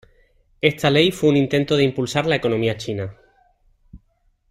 Esta ley fue un intento de impulsar la economía china.